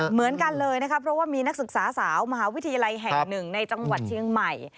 เหมือนกันเลยนะครับเพราะว่ามีนักศึกษาสาวมหาวิทยาลัยแห่งหนึ่งในจังหวัดเชียงใหม่